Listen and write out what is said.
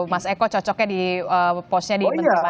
mas eko cocoknya di posnya di menteri mana